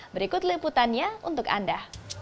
berikut liputannya untuk anda